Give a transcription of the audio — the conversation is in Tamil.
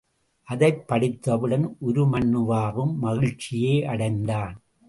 அதைப் படித்தவுடன் உருமண்ணுவாவும் மகிழ்ச்சியே அடைந்தான்.